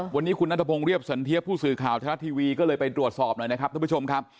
วันนี้คุณนัทพงศ์เรียบสันเทียบผู้สื่อข่าวทรัฐทีวีก็เลยไปตรวจสอบหน่อยนะครับท่านผู้ชมครับ